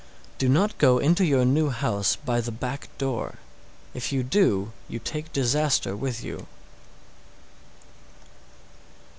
Do not go into your new house by the back door; if you do you take disaster with you.